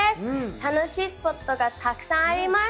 楽しいスポットがたくさんあります。